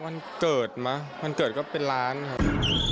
วันเกิดมั้ยวันเกิดก็เป็นล้านครับ